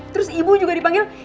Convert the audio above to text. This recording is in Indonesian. terus ibu juga dipanggil